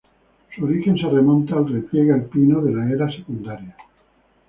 Su origen se remonta al repliegue alpino de la era secundaria.